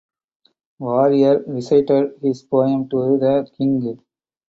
Warrier recited his poem to the king.